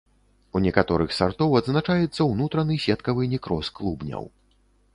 У некаторых сартоў адзначаецца ўнутраны сеткавы некроз клубняў.